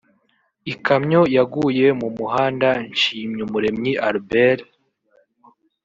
Ikamyo yaguye mu muhandaNshimyumuremyi Albert